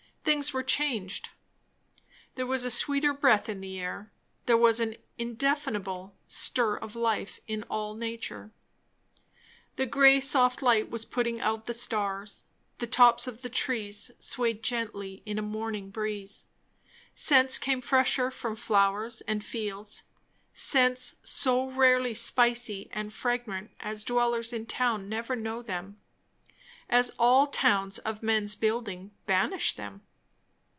Things were changed. There was a sweeter breath in the air; there was an indefinable stir of life in all nature. The grey soft light was putting out the stars; the tops of the trees swayed gently in a morning breeze; scents came fresher from flowers and fields; scents so rarely spicy and fragrant as dwellers in towns never know them, as all towns of men's building banish them.